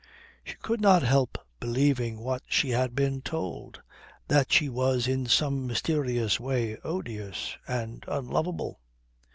She could not help believing what she had been told; that she was in some mysterious way odious and unlovable.